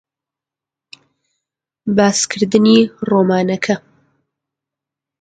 ڕیزە سندووق وەک سندووقی پۆست هەبوو بۆ چەمەدان تێنان